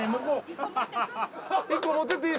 １個持ってっていい？